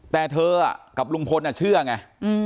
แต่เธอกับลุงพลเชื่อไง